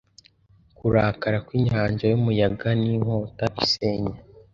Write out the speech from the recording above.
kurakara kwinyanja yumuyaga ninkota isenya